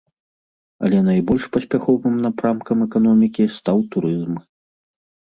Але найбольш паспяховым напрамкам эканомікі стаў турызм.